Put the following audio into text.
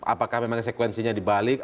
apakah memang sekwensinya dibalik